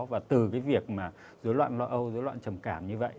và từ cái việc mà dối loạn lo âu dối loạn trầm cảm như vậy